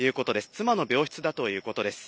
妻の病室だということです。